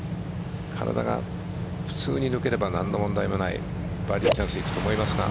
体が普通に抜ければ何の問題もないバーディーチャンスいくと思いますが。